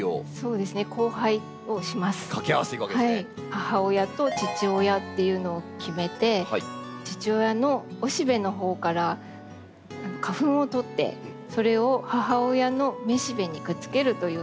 母親と父親っていうのを決めて父親の雄しべのほうから花粉をとってそれを母親の雌しべにくっつけるという作業をするのが交配。